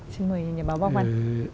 xin mời nhà báo văn văn